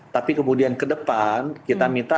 tapi kemudian ke depan kita minta